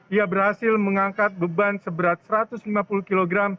ia berhasil mengangkat beban seberat satu ratus lima puluh kg